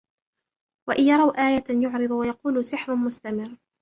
وإن يروا آية يعرضوا ويقولوا سحر مستمر